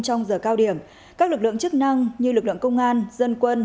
trong giờ cao điểm các lực lượng chức năng như lực lượng công an dân quân